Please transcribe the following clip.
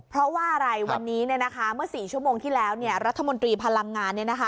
เพราะว่าอะไรวันนี้เมื่อ๔ชั่วโมงที่แล้วรัฐมนตรีพลังงาน